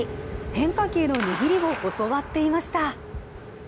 変化球の握りを教わっていました。